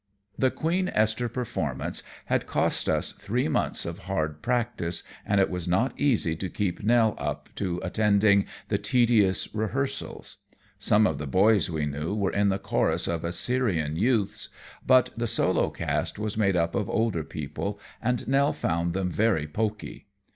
The "Queen Esther" performance had cost us three months of hard practice, and it was not easy to keep Nell up to attending the tedious rehearsals. Some of the boys we knew were in the chorus of Assyrian youths, but the solo cast was made up of older people, and Nell found them very poky.